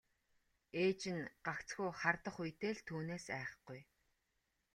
Ээж нь гагцхүү хардах үедээ л түүнээс айхгүй.